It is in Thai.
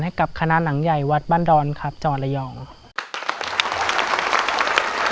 ให้กับคณะหนังใหญ่วัดบันดรจวัลละยองครับ